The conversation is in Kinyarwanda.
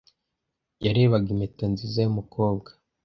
Yarebaga impeta nziza yumukobwa.